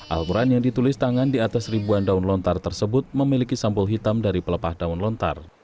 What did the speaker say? al quran yang ditulis tangan di atas ribuan daun lontar tersebut memiliki sampul hitam dari pelepah daun lontar